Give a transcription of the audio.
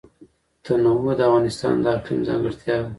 تنوع د افغانستان د اقلیم ځانګړتیا ده.